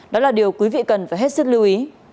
đó là điều quý vị cần phải hết sức lưu ý